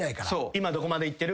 「今どこまでいってる？」